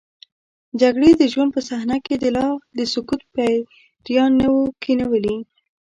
جګړې د ژوند په صحنه کې لا د سکوت پیریان نه وو کینولي.